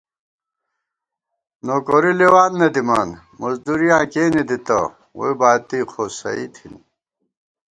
نوکوری لېوان نہ دِمان مُزدُوریاں کېنےدِتہ، ووئی باتی خو سَئ تھِنی